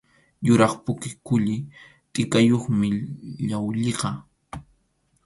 Yuraq puka kulli tʼikayuqmi llawlliqa.